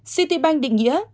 citibank định nghĩa